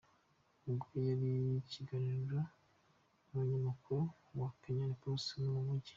Ubwo yari mu kiganiro numunyamakuru wa Kenyan Post mu mujyi.